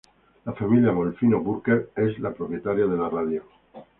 La familia Molfino-Bürkert es la propietaria de la radio.